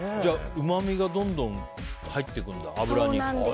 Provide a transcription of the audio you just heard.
うまみがどんどん入っていくんだ、油に。